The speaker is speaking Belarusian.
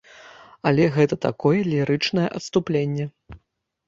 Але гэта такое лірычнае адступленне.